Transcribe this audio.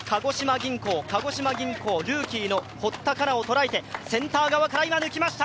鹿児島銀行、ルーキーの堀田佳奈を捉えてセンター側から今、抜きました。